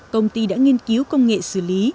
công ty đã nghiên cứu công nghệ xử lý